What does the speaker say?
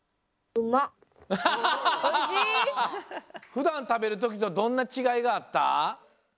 ふだん食べるときとどんなちがいがあった？